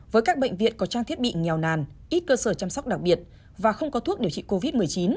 với các bệnh viện có trang thiết bị nghèo nàn ít cơ sở chăm sóc đặc biệt và không có thuốc điều trị covid một mươi chín